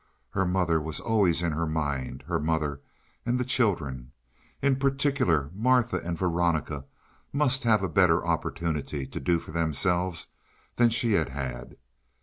Her mother was always in her mind, her mother and the children. In particular Martha and Veronica must have a better opportunity to do for themselves than she had had.